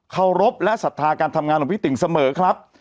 เคารพและศรัทธาการทำงานของพี่ติ่งเสมอครับ